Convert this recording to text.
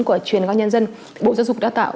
của truyền hình nhân dân bộ giáo dục đào tạo